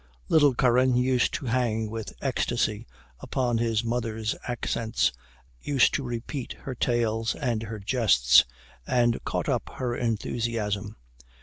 Little Curran used to hang with ecstasy upon his mother's accents, used to repeat her tales and her jests, and caught up her enthusiasm.